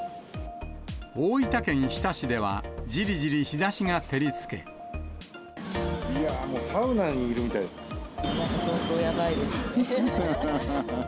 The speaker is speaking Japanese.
大分県日田市では、いやぁ、もうサウナにいるみ相当やばいですね。